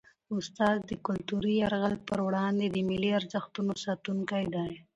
استاد د کلتوري یرغل په وړاندې د ملي ارزښتونو ساتونکی دی.